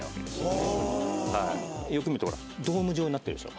よく見るとほらドーム状になってるでしょ。